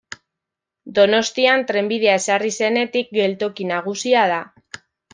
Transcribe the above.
Donostian trenbidea ezarri zenetik geltoki nagusia da.